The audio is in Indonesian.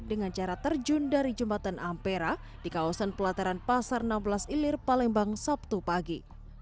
dengan cara terjun dari jembatan ampera di kawasan pelataran pasar enam belas ilir palembang sabtu pagi